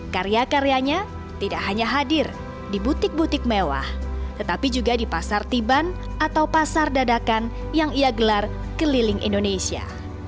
karya karyanya tidak hanya hadir di butik butik mewah tetapi juga di pasar tiban atau pasar dadakan yang ia gelar keliling indonesia